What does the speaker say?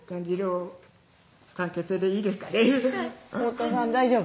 太田さん大丈夫？